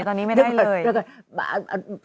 ถ้ามายดีใครบอกว่าที่ไม่